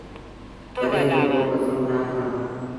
ڪڏهيݩ با ڪو ڪسم نا کڻو۔